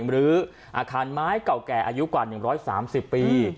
หรืออาคารไม้เก่าแก่อายุกว่า๑๓๐ปี